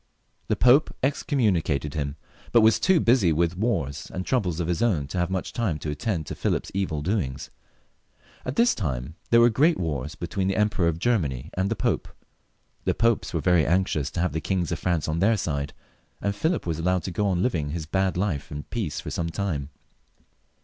The Pope excommunicated him, but was too busy with wars and troubles of his own to have much time to attend to Philip's evil doings. At this time there were great wars between the Emperor of Germany and the Pope. The Popes were very anxious to have the Kings of France on their side, and PhUip was allowed to go on living his bad life in peace for some time.